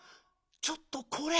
ちょっとこれ。